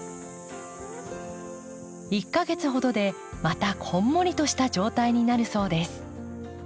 １か月ほどでまたこんもりとした状態になるそうです。